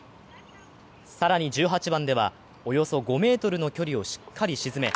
更に１８番ではおよそ５ｍの距離をしっかり沈め